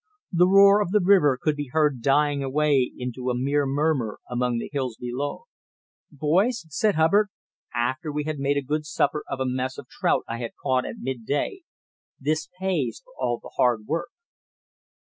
The roar of the river could be heard dying away into a mere murmur among the hills below. "Boys," said Hubbard, after we had made a good supper of a mess of trout I had caught at midday, "this pays for all the hard work."